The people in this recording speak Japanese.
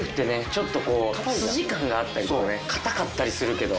ちょっとすじ感があったりとか硬かったりするけど。